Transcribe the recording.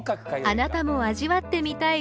あなたも味わってみたい